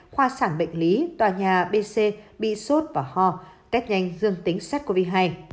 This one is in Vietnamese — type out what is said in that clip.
khoa sản bệnh lý tòa nhà bc bị sốt và ho tết nhanh dương tính sát covid một mươi chín